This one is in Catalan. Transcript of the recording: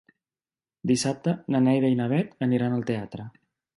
Dissabte na Neida i na Bet aniran al teatre.